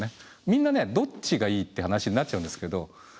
みんなねどっちがいいって話になっちゃうんですけど。